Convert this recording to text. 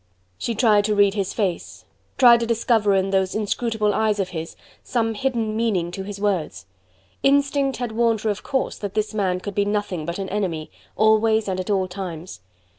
She tried to read his face, tried to discover in those inscrutable eyes of his, some hidden meaning to his words. Instinct had warned her of course that this man could be nothing but an enemy, always and at all times.